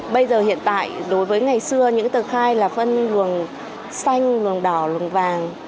bây giờ hiện tại đối với ngày xưa những tờ khai là phân luồng xanh luồng đỏ luồng vàng